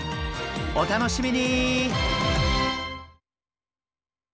お楽しみに！